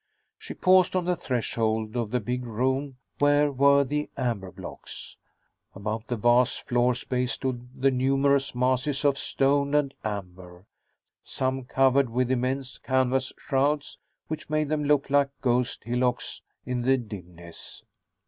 She paused on the threshold of the big room where were the amber blocks. About the vast floor space stood the numerous masses of stone and amber, some covered with immense canvas shrouds which made them look like ghost hillocks in the dimness.